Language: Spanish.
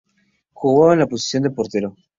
Jugaba en la posición de portero.